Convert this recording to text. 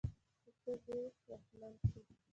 چې څوک دې واکمن شي.